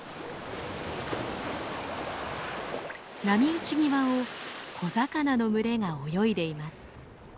波打ち際を小魚の群れが泳いでいます。